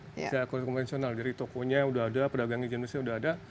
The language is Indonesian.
biasanya konvensional jadi tokonya sudah ada pedagangnya jenisnya sudah ada